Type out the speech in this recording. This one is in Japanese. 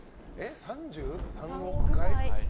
３３億回？